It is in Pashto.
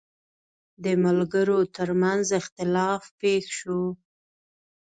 د ملګرو ترمنځ اختلاف پېښ شو.